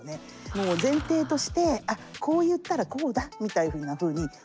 もう前提として「あっこう言ったらこうだ」みたいなふうに思っちゃう。